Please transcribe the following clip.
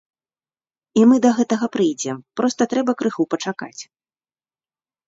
І мы да гэтага прыйдзем, проста трэба крыху пачакаць.